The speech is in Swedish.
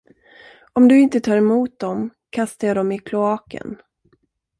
Om du inte tar emot dem, kastar jag dem i kloaken.